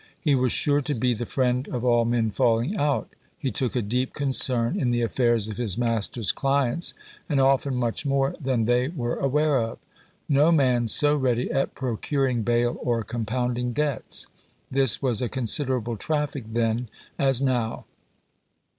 He was sure to be the friend of all men falling out. He took a deep concern in the affairs of his master's clients, and often much more than they were aware of. No man so ready at procuring bail or compounding debts. This was a considerable traffic then, as now.